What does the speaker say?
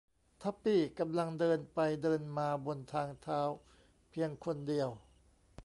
ทับปี้กำลังเดินไปเดินมาบนทางเท้าเพียงคนเดียว